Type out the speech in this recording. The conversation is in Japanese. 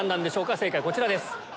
正解はこちらです。